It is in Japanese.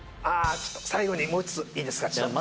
最後にもう１ついいですか？